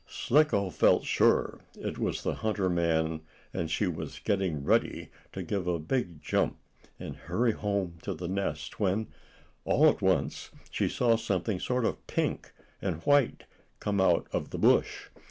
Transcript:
Slicko felt sure it was the hunter man, and she was getting ready to give a big jump, and hurry home to the nest, when, all at once, she saw something sort of pink and white come out of the bush.